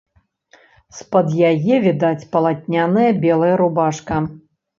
З-пад яе відаць палатняная белая рубашка.